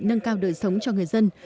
nâng cao đời sống cho người dân